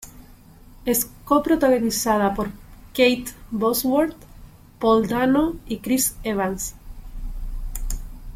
Es co-protagonizada por Kate Bosworth, Paul Dano y Chris Evans.